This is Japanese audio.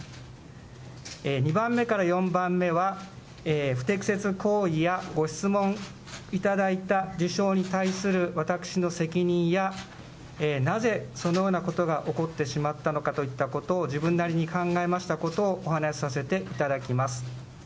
２番目から４番目は、不適切行為やご質問いただいた事象に対する私の責任やなぜそのようなことが起こってしまったのかといったことを自分なりに考えましたことをお話しさせていただきます。